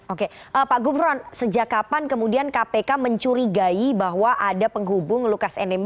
oke pak gufron sejak kapan kemudian kpk mencurigai bahwa ada penghubung lukas nmb